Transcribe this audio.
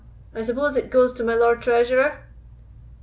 I suppose it goes to my Lord Treasurer?"